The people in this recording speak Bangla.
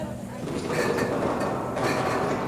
শুধু মিষ্টি কথায় বলেছিলাম, তার ব্যবহারটা আমার মনে থাকবে।